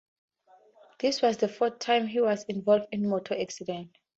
This was the fourth time he was involved in motor accident.